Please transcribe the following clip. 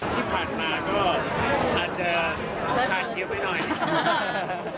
ที่ผ่านมาก็อาจจะขันเยอะไปหน่อยนิดนึง